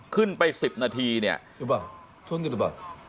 ขึ้นไป๑๐นาทีเนี่ย